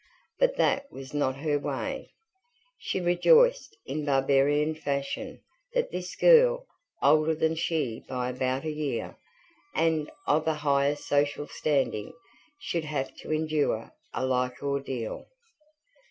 But that was not her way. She rejoiced, in barbarian fashion, that this girl, older than she by about a year, and of a higher social standing, should have to endure a like ordeal.